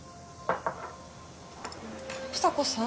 房子さん？